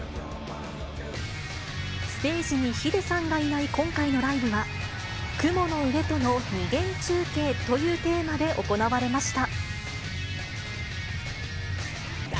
ステージにｈｉｄｅさんがいない今回のライブは、雲の上との二元中継というテーマで行われました。